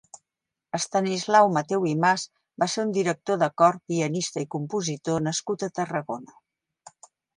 Estanislau Mateu i Mas va ser un director de cor, pianista i compositor nascut a Tarragona.